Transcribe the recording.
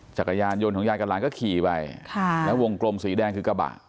จักรยานยนต์ของยายกับหลานก็ขี่ไปแล้ววงกลมสีแดงคือกระบะ